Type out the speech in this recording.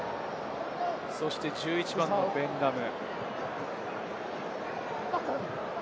そして１１番のベン・ラム。